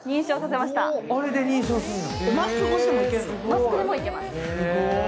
マスクでもいけます。